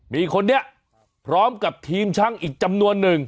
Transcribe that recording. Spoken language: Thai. มีคนนี้พร้อมกับทีมช่างอีกจำนวนหนึ่ง